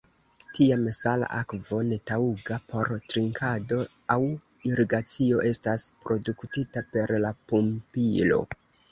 Tiam sala akvo, netaŭga por trinkado aŭ irigacio, estas produktita per la pumpilo.